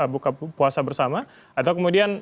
buka puasa bersama atau kemudian